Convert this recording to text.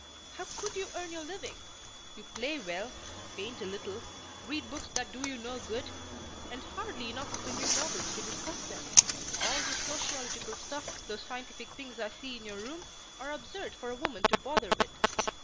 How could you earn your living? You play well, paint a little, read books that do you no good, and hardly enough of the new novels to discuss them. All this sociological stuff, those scientific things I see in your room, are absurd for a woman to bother with.